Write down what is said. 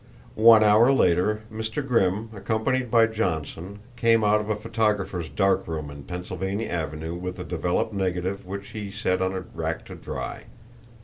One hour later Mr. Grimm, accompanied by Johnson, came out of a photographer's dark room in Pennsylvania Avenue with a developed negative which he set on a rack to dry.